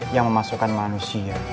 yang memasukkan manusia